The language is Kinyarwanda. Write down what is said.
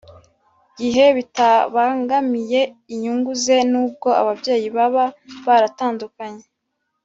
gihe bitabangamiye inyungu ze n'ubwo ababyeyi baba baratandukanye?